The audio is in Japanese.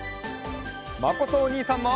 まことおにいさんも！